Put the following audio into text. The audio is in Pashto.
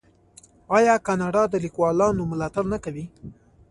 آیا کاناډا د لیکوالانو ملاتړ نه کوي؟